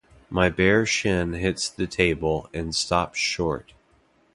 My bare shin hits the table and stops short.